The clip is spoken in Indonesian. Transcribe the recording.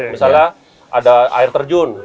misalnya ada air terjun